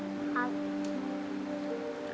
ครับ